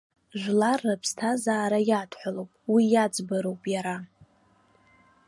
Жәлар рыԥсҭазаара иадҳәалоуп, уи иаӡбароуп иара.